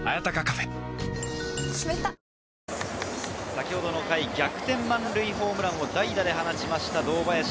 先ほどの回、逆転満塁ホームランを代打で放った堂林。